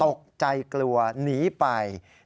ตกใจกลัวหนีไป